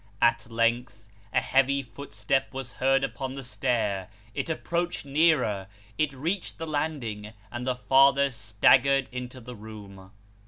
At length, a heavy footstep was heard upon the stair ; it approached nearer ; it reached the landing ; and the father staggered into the room.